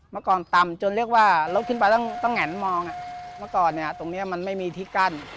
แต่ก่อนตรำจนเรื่องว่าลุบถึงไปต้องแหนมองอ่ะก่อนเนี่ยตรงเนี่ยมันไม่มีที่กั้น